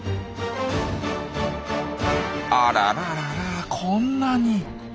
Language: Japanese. あららららこんなに！